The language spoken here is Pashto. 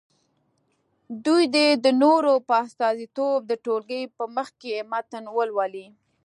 دوی دې د نورو په استازیتوب د ټولګي په مخکې متن ولولي.